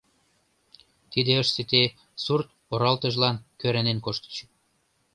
Тиде ыш сите — сурт-оралтыжлан кӧранен коштыч.